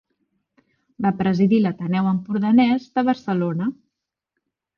Va presidir l’Ateneu Empordanès de Barcelona.